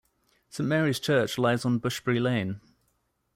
Saint Mary's Church lies on Bushbury Lane.